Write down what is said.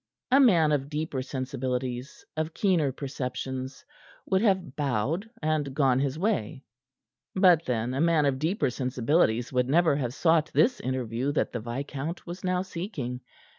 A man of deeper sensibilities, of keener perceptions, would have bowed and gone his way. But then a man of deeper sensibilities would never have sought this interview that the viscount was now seeking.